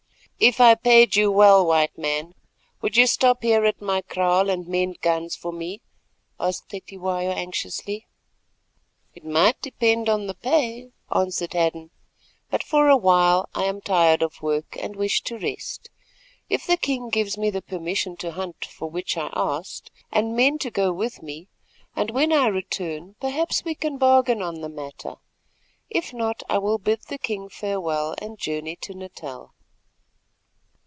"If I paid you well, White Man, would you stop here at my kraal, and mend guns for me?" asked Cetywayo anxiously. "It might depend on the pay," answered Hadden; "but for awhile I am tired of work, and wish to rest. If the king gives me the permission to hunt for which I asked, and men to go with me, then when I return perhaps we can bargain on the matter. If not, I will bid the king farewell, and journey to Natal."